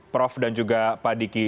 prof dan juga pak diki